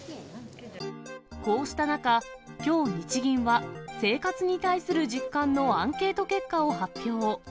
こうした中、きょう日銀は、生活に対する実感のアンケート結果を発表。